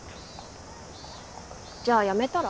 じゃあやめたら？